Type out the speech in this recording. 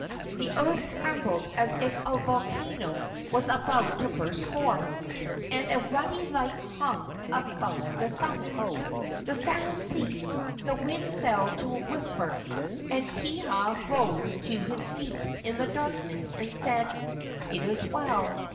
The earth trembled as if a volcano was about to burst forth, and a ruddy light hung about the summit. The sound ceased, the wind fell to a whisper, and Kiha rose to his feet in the darkness and said: "It is well.